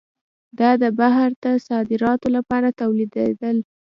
دا د بهر ته صادراتو لپاره تولیدېدل.